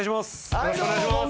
よろしくお願いします。